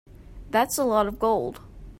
That's a lot of gold.